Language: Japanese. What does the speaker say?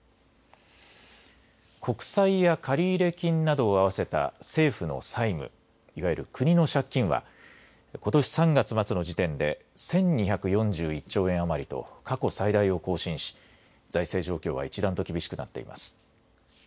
国債や借入金などを合わせた政府の債務、いわゆる国の借金は、ことし３月末の時点で１２４１兆円余りと、過去最大と更新し、財政状況は一段と厳しくなっています。